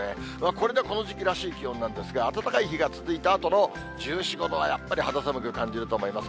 これでこの時期らしい気温なんですが、暖かい日が続いたあとの１４、５度はやっぱり肌寒く感じると思います。